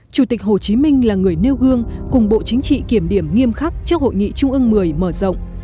chủ tịch hồ chí minh là người nêu gương cùng bộ chính trị kiểm điểm nghiêm khắc trước hội nghị trung ương một mươi mở rộng